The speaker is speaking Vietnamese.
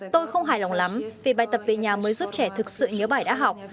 tôi không hài lòng lắm vì bài tập về nhà mới giúp trẻ thực sự nhớ bài đã học